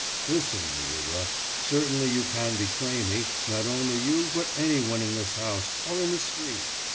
»Listen, Liuba, certainly you can betray me, not only you, but anyone in this house, or in the street.